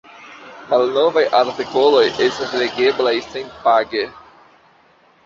Malnovaj artikoloj estas legeblaj senpage.